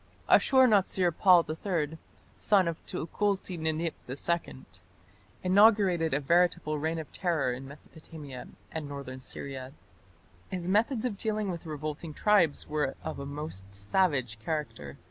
Ashur natsir pal III, son of Tukulti Ninip II, inaugurated a veritable reign of terror in Mesopotamia and northern Syria. His methods of dealing with revolting tribes were of a most savage character.